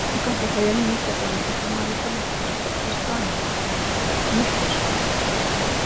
El consejo de administración está formado por las siguientes personas: Mr.